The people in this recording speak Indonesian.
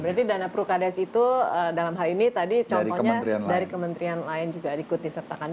berarti dana prukades itu dalam hal ini tadi contohnya dari kementerian lain juga ikut disertakan